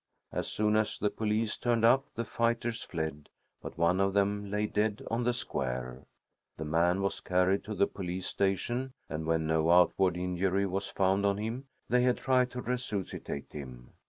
As soon as the police turned up, the fighters fled, but one of them lay dead on the square. The man was carried to the police station, and when no outward injury was found on him, they had tried to resuscitate him.